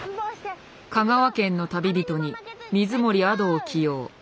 香川県の旅人に水森亜土を起用。